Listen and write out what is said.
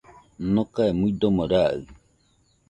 Nokae muidomo raɨ